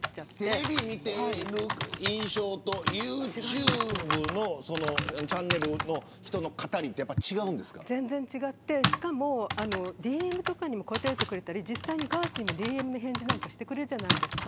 テレビを見ている印象とユーチューブのチャンネルの人の語りって違うんで全然違ってＤＭとかにも答えてくれたり実際にガーシーもＤＭの返事とかしてくれるじゃないですか。